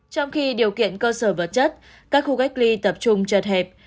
trong khi điều kiện cơ sở vật chất các khu cách ly tập trung chật hẹp